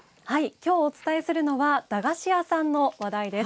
きょうお伝えするのは駄菓子屋さんの話題です。